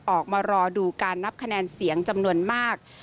ออกมารอดูการนับคะแนนเสียงจำนวนมาก